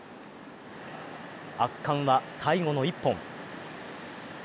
圧巻は、最後の１本。